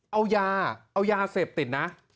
เอายาเสพติดนะ